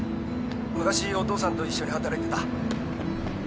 昔お父さんと一緒に働いてた。